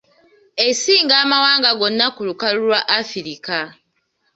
Esinga amawanga gonna ku lukalu lwa Afirika.